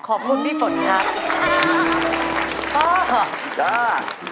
ขอบคุณพี่ฝนครับจ้า